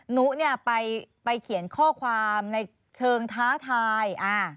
หนูเนี่ยไปเขียนข้อความในเชิงท้าทาย